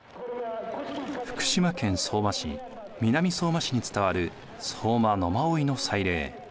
福島県相馬市・南相馬市に伝わる相馬野馬追の祭礼。